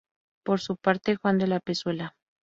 Por su parte, Juan de la Pezuela.